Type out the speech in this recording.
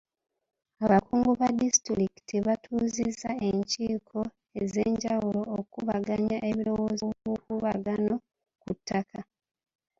Abakungu ba disitulikiti batuuzizza enkiiko ez'enjawulo okukubaganya ebirowoozo ku bukuubagano ku ttaka.